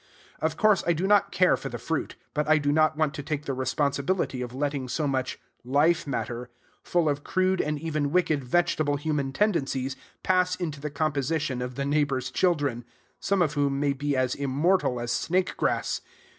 Of course I do not care for the fruit; but I do not want to take the responsibility of letting so much "life matter," full of crude and even wicked vegetable human tendencies, pass into the composition of the neighbors' children, some of whom may be as immortal as snake grass.